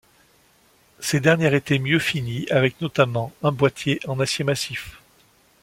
Ces dernières étaient mieux finies avec notamment un boîtier en acier massif.